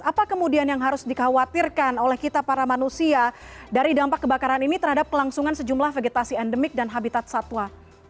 apa kemudian yang harus dikhawatirkan oleh kita para manusia dari dampak kebakaran ini terhadap kelangsungan sejumlah vegetasi endemik dan habitat satwa